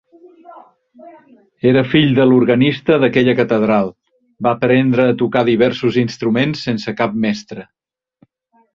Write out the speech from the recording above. Era fill de l'organista d'aquella catedral, va aprendre a tocar diversos instruments sense cap mestre.